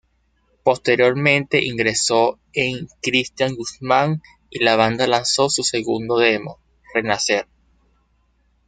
Posteriormente ingresó en Christian Guzmán y la banda lanzó su segundo demo, "Renacer.